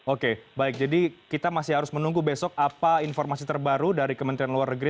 oke baik jadi kita masih harus menunggu besok apa informasi terbaru dari kementerian luar negeri